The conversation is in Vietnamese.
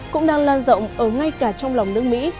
cũng đang lan rộng ở ngay cả trong lòng nước mỹ